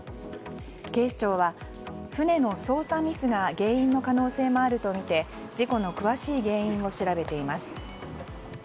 警視庁は船の操作ミスが原因の可能性もあるとみて事故の詳しい原因を調べています。